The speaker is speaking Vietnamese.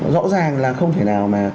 rõ ràng là không thể nào mà